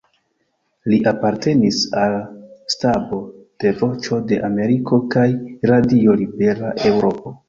Li apartenis al stabo de Voĉo de Ameriko kaj Radio Libera Eŭropo.